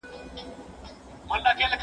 موټر کاروه